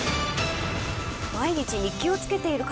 毎日日記をつけている方。